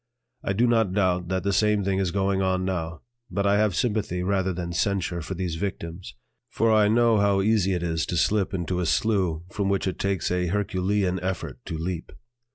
I do not doubt that the same thing is going on now, but I have sympathy rather than censure for these victims, for I know how easy it is to slip into a slough from which it takes a herculean effort to leap.